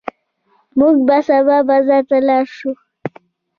موږ به سبا بازار ته لاړ شو.